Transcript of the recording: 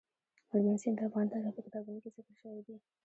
هلمند سیند د افغان تاریخ په کتابونو کې ذکر شوی دي.